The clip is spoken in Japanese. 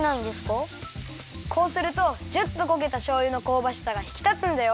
こうするとジュっとこげたしょうゆのこうばしさがひきたつんだよ。